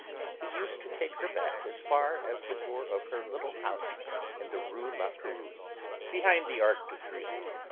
He used to take her back as far as the door of her little house in the Rue La Pérouse, behind the Arc de Triomphe.